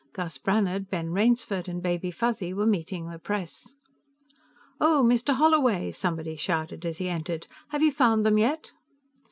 Gus Brannhard, Ben Rainsford and Baby Fuzzy were meeting the press. "Oh, Mr. Holloway!" somebody shouted as he entered. "Have you found them yet?"